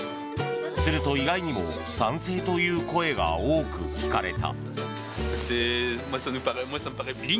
すると、意外にも賛成という声が多く聞かれた。